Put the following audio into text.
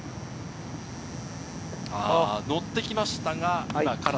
乗ってきましたが、カラー。